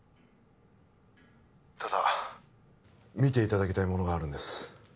ただ見ていただきたいものがあるんです☎